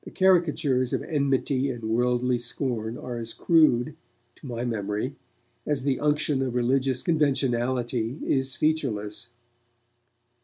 The caricatures of enmity and worldly scorn are as crude, to my memory, as the unction of religious conventionality is featureless.